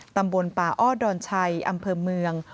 ตำบลป่าอ้อดอนชัยอำเภอเมือง